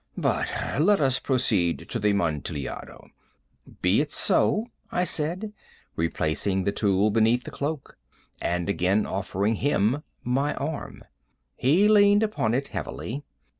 "But let us proceed to the Amontillado." "Be it so," I said, replacing the tool beneath the cloak, and again offering him my arm. He leaned upon it heavily.